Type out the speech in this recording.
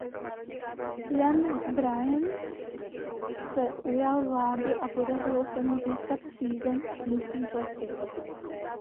Jan z Brienne se ujal vlády a podařilo se mu získat přízeň místní šlechty.